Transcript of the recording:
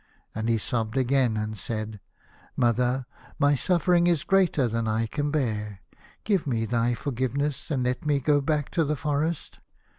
And he sobbed again, and said :" Mother, my suffering is greater than I can bear. Give me thy forgiveness, and let me go back to the forest."